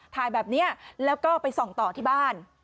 ถ่ายแบบนี้แล้วก็ไปส่องต่อที่บ้าน